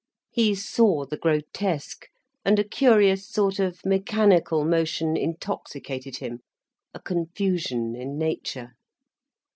He saw the grotesque, and a curious sort of mechanical motion intoxicated him, a confusion in nature.